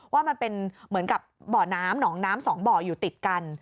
ว่ามันเป็นเหมือนกับบ่อน้ำหนองน้ำสองบ่ออยู่ติดกัน